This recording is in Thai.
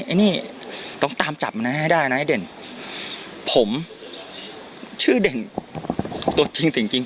ไอ้นี่ต้องตามจับมันนะให้ได้นะไอ้เด่นผมชื่อเด่นตัวจริงจริง